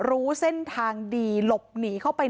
รู้เส้นทางดีหลบหนีเข้าไป